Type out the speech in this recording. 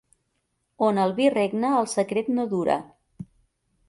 On el vi regna el secret no dura.